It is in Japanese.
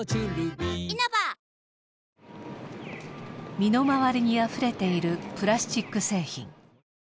身の回りにあふれているプラスチック製品。